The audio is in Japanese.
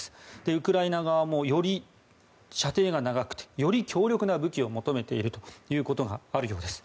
ウクライナ側もより射程が長くてより強力な武器を求めているということがあるようです。